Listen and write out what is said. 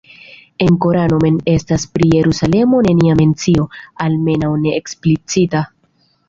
En Korano mem estas pri Jerusalemo nenia mencio, almenaŭ ne eksplicita.